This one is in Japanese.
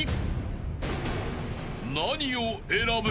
［何を選ぶ？］